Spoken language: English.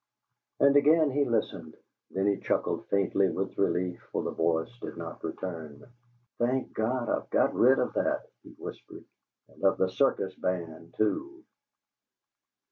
'" And again he listened. Then he chuckled faintly with relief, for the voice did not return. "Thank God, I've got rid of that!" he whispered. "And of the circus band too!"